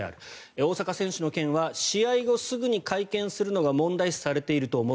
大坂選手の件は試合後すぐに会見するのが問題視されていると思う。